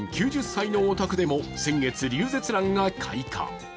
９０歳のお宅でも先月、リュウゼツランが開花。